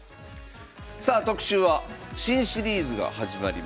さあ特集は新シリーズが始まります。